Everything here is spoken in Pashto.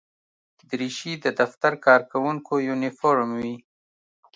دریشي د دفتر کارکوونکو یونیفورم وي.